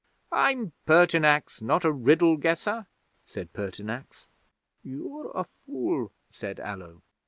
'"I'm Pertinax, not a riddle guesser," said Pertinax. '"You're a fool," said Allo.